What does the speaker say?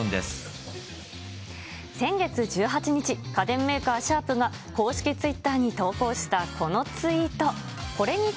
先月１８日、家電メーカー、シャープが公式ツイッターに投稿したこのツイート。